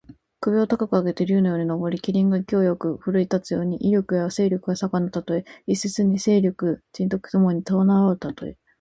首を高く上げて竜のように上り、麒麟が勢いよく振るい立つように、威力や勢力が盛んなたとえ。一説に勢力・仁徳ともに備わるたとえ。